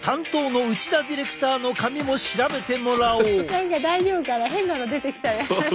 何か大丈夫かな変なの出てきたら。